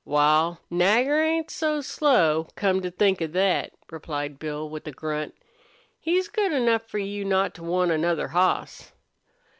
"Wal, Nagger ain't so slow, come to think of thet," replied Bill, with a grunt. "He's good enough for you not to want another hoss."